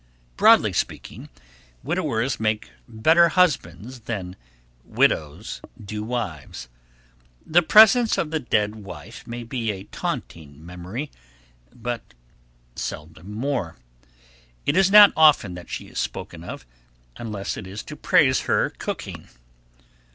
Broadly speaking, widowers make better husbands than widows do wives. The presence of the dead wife may be a taunting memory, but seldom more. It is not often that she is spoken of, unless it is to praise her cooking.